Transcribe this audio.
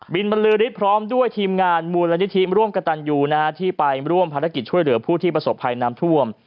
บรรลือฤทธิ์พร้อมด้วยทีมงานมูลนิธิร่วมกระตันยูที่ไปร่วมภารกิจช่วยเหลือผู้ที่ประสบภัยน้ำท่วม